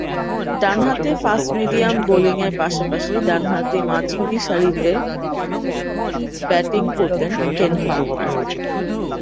ডানহাতে ফাস্ট-মিডিয়াম বোলিংয়ের পাশাপাশি ডানহাতে মাঝারিসারিতে ব্যাটিং করতেন কেন পালমার।